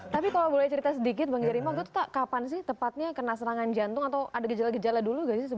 tapi kalau boleh cerita sedikit bang jerima kapan sih tepatnya kena serangan jantung atau ada gejala gejala dulu